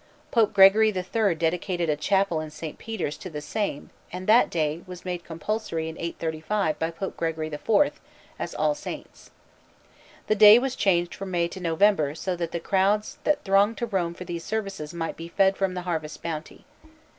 Pope Gregory III dedicated a chapel in St. Peter's to the same, and that day was made compulsory in 835 by Pope Gregory IV, as All Saints'. The day was changed from May to November so that the crowds that thronged to Rome for the services might be fed from the harvest bounty.